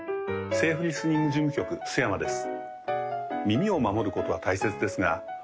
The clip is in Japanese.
セーフリスニング事務局須山です